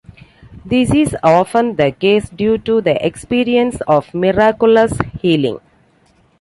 This is often the case due to the experience of miraculous healing.